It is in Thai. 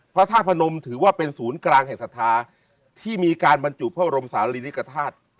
พระธาตุพนมถือว่าเป็นศูนย์กลางแห่งศรัทธาที่มีการบรรจุพระบรมศาลีริกฐาตุ